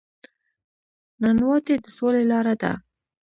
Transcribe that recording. نانواتې د سولې لاره ده